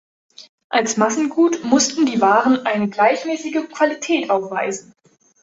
Als Massengut mussten die Waren eine gleichmäßige Qualität aufweisen.